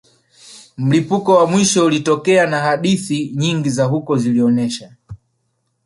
Mlipuko wa mwisho ulitokea na hadithi nyingi za huko zilionesha